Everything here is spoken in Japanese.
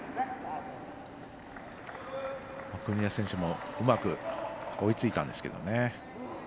国枝選手もうまく追いついたんですけれどもね。